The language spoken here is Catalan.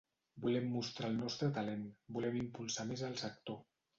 Volem mostrar el nostre talent, volem impulsar més el sector.